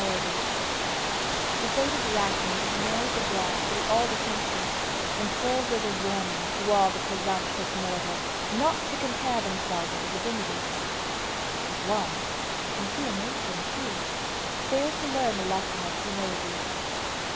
NIOBE The fate of Arachne was noised abroad through all the country, and served as a warning to all presumptuous mortals not to compare themselves with the divinities. But one, and she a matron too, failed to learn the lesson of humility.